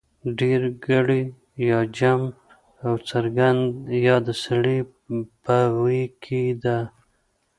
ډېرگړې يا جمع او څرگنده يا د سړي په ویي کې ده